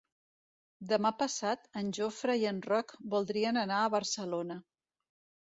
Demà passat en Jofre i en Roc voldrien anar a Barcelona.